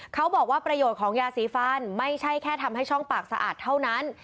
เขาบอกว่าประโยชน์ของยาสีฟันไม่ใช่แค่ทำให้ช่องปากสะอาดเท่านั้น